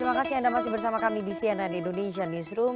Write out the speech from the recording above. terima kasih anda masih bersama kami di cnn indonesia newsroom